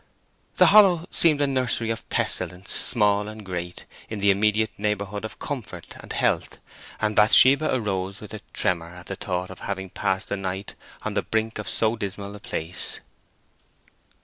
The hollow seemed a nursery of pestilences small and great, in the immediate neighbourhood of comfort and health, and Bathsheba arose with a tremor at the thought of having passed the night on the brink of so dismal a place.